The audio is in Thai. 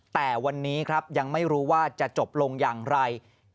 แต่วันนี้ครับยังไม่รู้ว่าจะจบลงอย่างไร